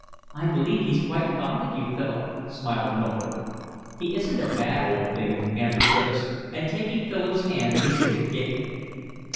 "I believe he's quite fond of you, Philip," smiled Mildred. "He isn't a bad old thing," answered Griffiths, and taking Philip's hand he shook it gaily.